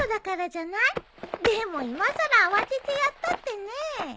でもいまさら慌ててやったってねえ。